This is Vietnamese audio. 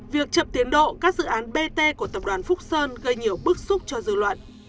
việc chậm tiến độ các dự án bt của tập đoàn phúc sơn gây nhiều bức xúc cho dư luận